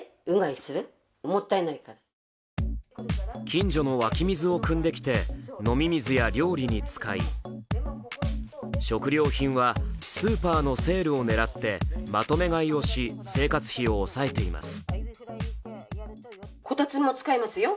近所の湧き水をくんできて飲み水や料理に使い食料品はスーパーのセールを狙ってまとめ買いをし生活費を抑えています。